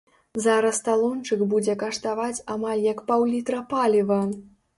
Зараз талончык будзе каштаваць амаль як паўлітра паліва!